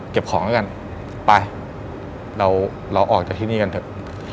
ของแล้วกันไปเราออกจากที่นี่กันเถอะ